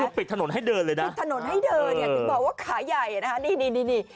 นี่คือปิดถนนให้เดินเลยนะปิดถนนให้เดินอย่างที่บอกว่าขาใหญ่อ่ะนะคะนี่นี่นี่